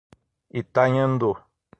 Itanhandu